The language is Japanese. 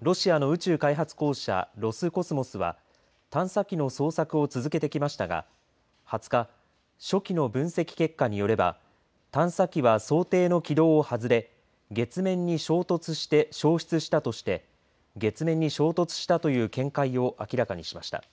ロシアの宇宙開発公社ロスコスモスは探査機の捜索を続けてきましたが２０日、初期の分析結果によれば探査機は想定の軌道を外れ月面に衝突して消失したとして月面に衝突したという見解を明らかにしました。